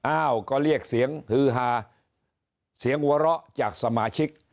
อ้าวก็เรียกเสียงฮือฮาเสียงหัวเราะจากสมาชิก